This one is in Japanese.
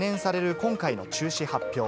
今回の中止発表。